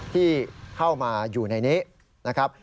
ที่เข้ามาอยู่ในนี้นะครับ